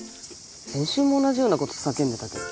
先週も同じようなこと叫んでたけど。